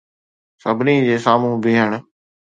سڀني جي سامهون بيهڻ